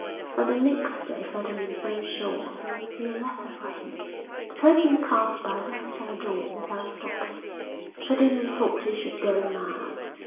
But the next day Ferdinand felt sure there would be a letter for him; the postman passed by the hotel door without stopping. Ferdinand thought he should go mad.